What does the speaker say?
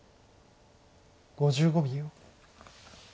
５５秒。